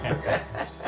ハハハハ。